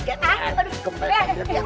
kenapa jadi kita yang nabrak